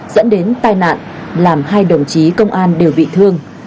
dẫn đến tai nạn làm hai đồng chí công an đều bị thương